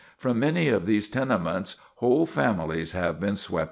From many of these tenements whole families have been swept away.